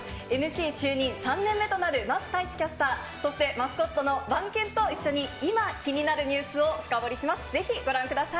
ＭＣ就任３年目となる桝太一キャスター、そしてマスコットのバン犬と一緒に今気になるニュースを深掘りします。